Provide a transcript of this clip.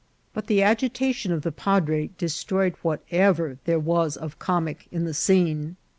But the agitation of the padre destroyed whatever there was of comic in the scene.